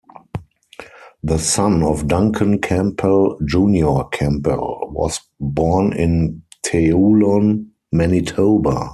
The son of Duncan Campbell Junior Campbell was born in Teulon, Manitoba.